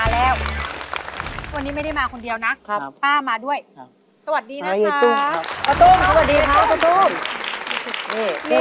เรียกเมียว่ายายตุ้ม